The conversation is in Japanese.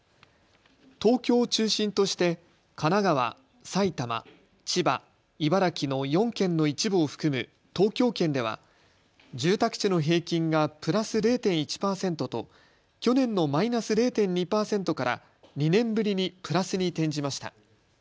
東京を中心として神奈川、埼玉、千葉、茨城の４県の一部を含む東京圏では住宅地の平均がプラス０．１％と去年のマイナス０．２％から２年ぶりにプラスに転じました。